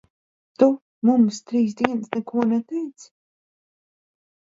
Tu mums trīs dienas neko neteici?